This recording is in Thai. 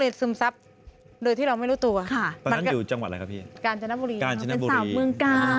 ใช่สาวเมืองกลาง